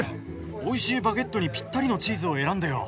おいしいバゲットにぴったりのチーズを選んでよ。